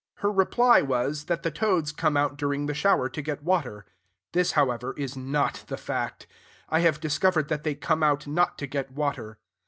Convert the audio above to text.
Her reply was, that the toads come out during the shower to get water. This, however, is not the fact. I have discovered that they come out not to get water.